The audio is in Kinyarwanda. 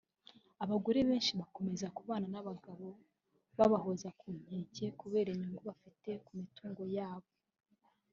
Abagore benshi bakomeza kubana n’abagabo babahoza ku nkeke kubera inyungu bafite ku mitungo yabo